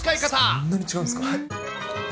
そんなに違うんですか。